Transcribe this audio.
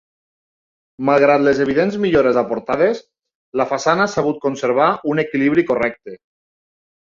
Malgrat les evidents millores aportades, la façana ha sabut conservar un equilibri correcte.